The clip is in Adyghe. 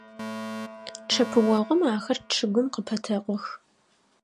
Чъэпыогъум ахэр чъыгым къыпэтэкъух.